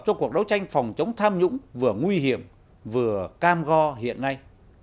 cho cuộc đấu tranh phòng chống tham nhũng vừa nguy hiểm vừa cam go hiện nay